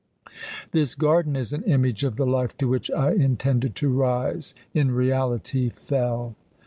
This garden is an image of the life to which I intended to rise; in reality, fell.